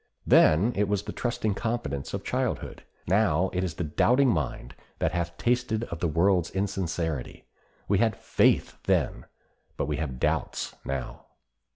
Then it was the trusting confidence of childhood; now it is the doubting mind that hath tasted of the world's insincerity. We had faith then, but we have doubts now.